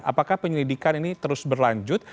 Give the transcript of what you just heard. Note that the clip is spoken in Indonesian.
apakah penyelidikan ini terus berlanjut